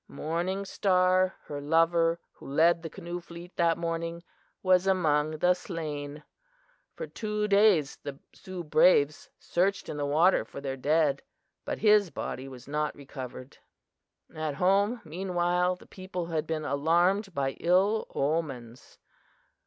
"Morning Star, her lover, who led the canoe fleet that morning, was among the slain. For two days the Sioux braves searched in the water for their dead, but his body was not recovered. "At home, meanwhile, the people had been alarmed by ill omens.